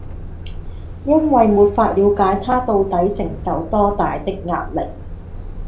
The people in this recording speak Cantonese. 因為沒法了解他到底承受多大的壓力